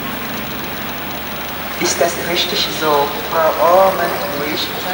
Ist das richtig so, Frau Oomen-Ruijten?